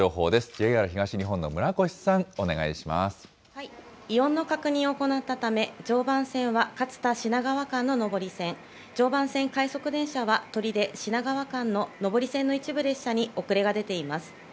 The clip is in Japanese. ＪＲ東日本の村越さん、お願いし異音の確認を行ったため、常磐線は勝田・品川間の上り線、常磐線快速電車は取手・品川間の上り線の一部列車に遅れが出ています。